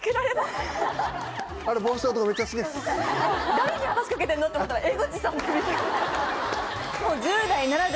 誰に話しかけてんの？って思ったら江口さん！